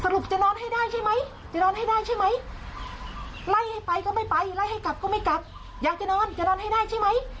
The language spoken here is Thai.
ไล่ให้ไปก็ไม่ไปไล่ให้กลับก็ไม่กลับอยากจะนอนจะนอนให้ได้ใช่ไหม